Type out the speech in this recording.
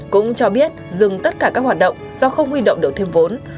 cũng cho biết dừng tất cả các hoạt động do không huy động được thêm vốn